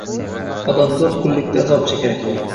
Odamzod qullikda azob chekarkan